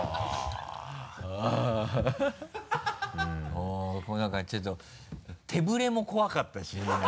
おっこう何かちょっと手ぶれも怖かったし何か。